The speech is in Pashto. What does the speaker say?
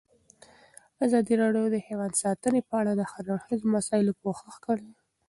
ازادي راډیو د حیوان ساتنه په اړه د هر اړخیزو مسایلو پوښښ کړی.